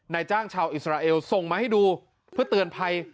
นายจ้างชาวอิสราเอลส่งมาให้ดูเพื่อเตือนภัย